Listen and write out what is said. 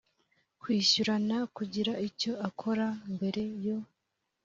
kwishyurana kugira icyo akora mbere yo